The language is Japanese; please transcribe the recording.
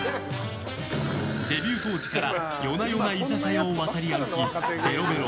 デビュー当時から夜な夜な居酒屋を渡り歩きベロベロ。